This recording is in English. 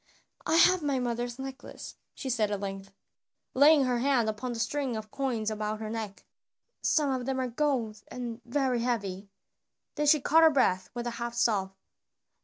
"I have my mother's necklace," she said at length, laying her hand upon the string of coins about her neck. "Some of them are of gold and very heavy." Then she caught her breath with a half sob.